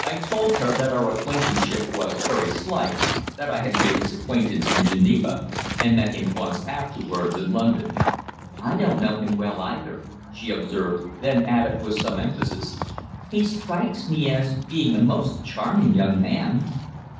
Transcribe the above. I told her that our acquaintanceship was very slight, that I had made his acquaintance in Geneva, and met him once afterwards in London. "I don't know him well, either," she observed, then added with some emphasis, "He strikes me as being a most charming young man."